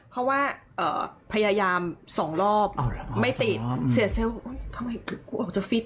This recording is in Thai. เพราะว่าพยายามสองรอบไม่ติดเสียเซลล์ทำไมกูออกจะฟิต